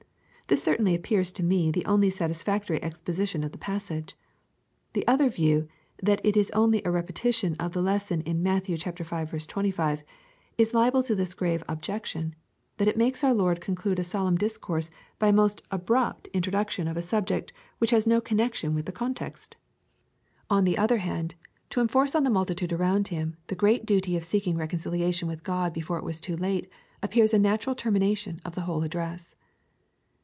This certainly appears to me the only satisfactory exposition of the passage. The other view, that it is only a repetition of the les son in Matt. v. 26, is liable to this grave objection, that it makea our Lord lonclude a solemn discourse by a most abrupt intro LUKE, CHAP. XIII. 107 ducdon of a subject whicb has no connexion with the contexL On the other hand, to enforce on the multitude around him, the great duty of seeking reconciliation with God before it was too late, appears a natural termination of the whole address.